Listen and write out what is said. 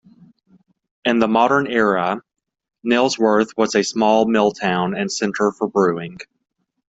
In the modern era Nailsworth was a small mill town and centre for brewing.